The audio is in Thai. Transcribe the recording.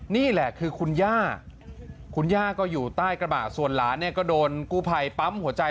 นี่แหละคือคุณย่าคุณย่าก็อยู่ใต้กระบะส่วนหลานเนี่ยก็โดนกู้ภัยปั๊มหัวใจ